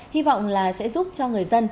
hy vọng là sẽ giúp cho người dân